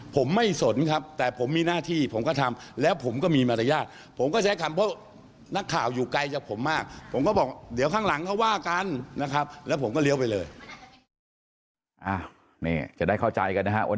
ผมไม่สนครับแต่ผมมีหน้าที่ผมก็ทำแล้วผมก็มีมารยาทผมก็ใช้คำเพราะนักข่าวอยู่ไกลจากผมมากผมก็บอกเดี๋ยวข้างหลังเขาว่ากันนะครับแล้วผมก็เลี้ยวไปเลย